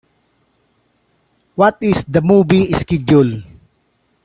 What is the movie schedule